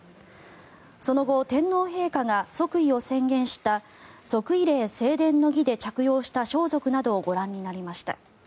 その後、天皇陛下が即位を宣言した即位礼正殿の儀で着用した装束などをご覧になりました。